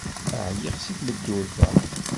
Ɛyiɣ seg tmeddurt-a.